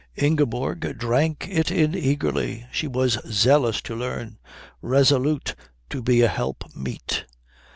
Ingeborg drank it in eagerly. She was zealous to learn; resolute to be a helpmeet.